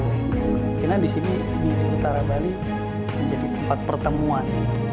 kemungkinan di sini di utara bali menjadi tempat pertemuan